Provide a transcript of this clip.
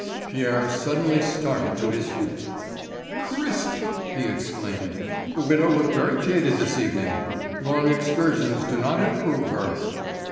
Pierre suddenly started to his feet. "Cristi!" he exclaimed. "The widow looked very jaded this evening. Long excursions do not improve her."